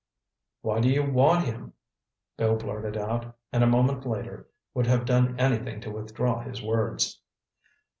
"Why do you want him?" Bill blurted out, and a moment later would have done anything to withdraw his words.